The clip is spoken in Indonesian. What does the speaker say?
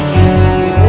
jangan maluri satisfied